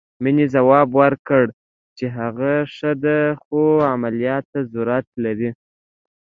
مينې ځواب ورکړ چې هغه ښه ده خو عمليات ته ضرورت لري.